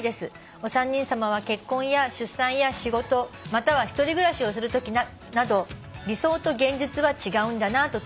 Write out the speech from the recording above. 「お三人さまは結婚や出産や仕事または１人暮らしをするときなど理想と現実は違うんだなと痛感したことありますか？」